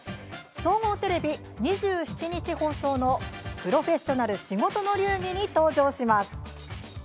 総合テレビ、２７日放送の「プロフェッショナル仕事の流儀」に登場します。